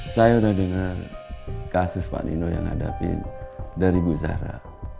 saya udah dengar kasus pak nino yang hadapin dari bu zara